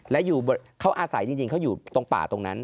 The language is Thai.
แล้วเขาอาศัยจริงเขาอยู่ตรงป่าตรงนั้น